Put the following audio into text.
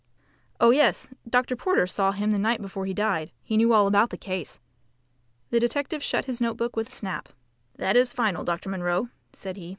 "Oh yes, Dr. Porter saw him the night before he died. He knew all about the case." The detective shut his note book with a snap. "That is final, Dr. Munro," said he.